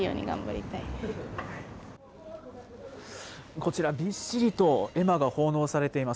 こちら、びっしりと絵馬が奉納されています。